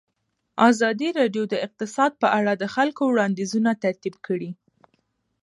ازادي راډیو د اقتصاد په اړه د خلکو وړاندیزونه ترتیب کړي.